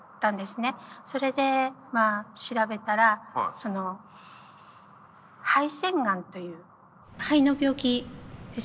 それで調べたら肺腺ガンという肺の病気ですね。